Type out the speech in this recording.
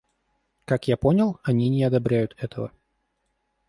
Как я понял, они не одобряют этого.